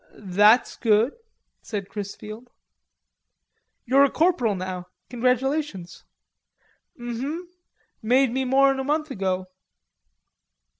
"That's good," said Chrisfield. "You're a corporal now. Congratulations." "Um hum. Made me more'n a month ago."